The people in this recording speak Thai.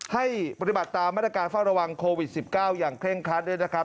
ให้ปฏิบัติตามมาตรการเฝ้าระวังโควิด๑๙อย่างเคร่งครัดด้วยนะครับ